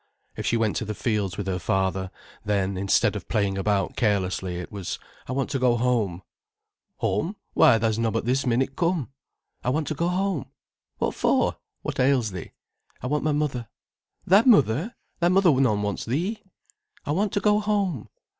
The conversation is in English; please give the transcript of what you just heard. If she went to the fields with her father, then, instead of playing about carelessly, it was: "I want to go home." "Home, why tha's nobbut this minute come." "I want to go home." "What for? What ails thee?" "I want my mother." "Thy mother! Thy mother none wants thee." "I want to go home."